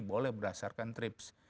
boleh berdasarkan trips